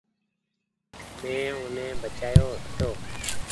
مين اوني بچآيو هيتو۔